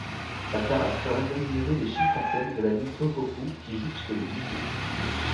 La terrasse permet d'admirer les Shinkansen de la ligne Tōhoku qui jouxte le musée.